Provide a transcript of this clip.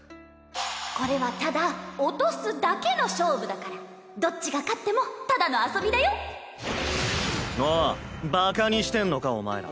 これはただ落とすだけの勝負だからどっちが勝ってもただの遊びだよおうバカにしてんのかお前ら。